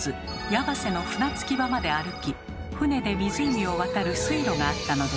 矢橋の船着き場まで歩き船で湖を渡る水路があったのです。